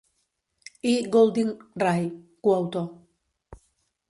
I. Goulding, Ray, coautor.